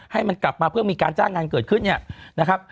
ให้มันกลับมาเพื่อมีการจ้างงานเกิดขึ้นเนี่ยนะครับ